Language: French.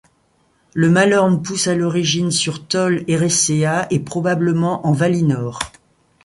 Le mallorn pousse à l'origine sur Tol Eressëa et probablement en Valinor.